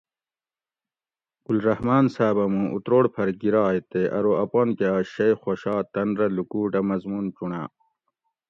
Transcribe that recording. گل رحمان صاۤبہ مُوں اتروڑ پھر گِرائ تے ارو اپانکہ اۤ شئ خوشا تن رہ لُکوٹ اۤ مضمون چُنڑا